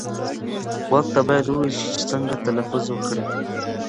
غوږ ته باید وویل شي چې څنګه تلفظ وکړي.